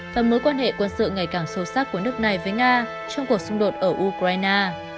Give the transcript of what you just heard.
và mối quan hệ quân sự ngày càng sâu sắc của nước này với nga trong cuộc xung đột ở ukraine